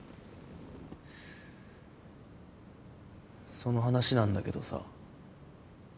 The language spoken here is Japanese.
その話なんだけどさ。